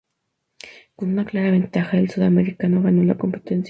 Con una clara ventaja el sudamericano ganó la competencia.